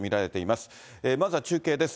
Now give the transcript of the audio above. まずは中継です。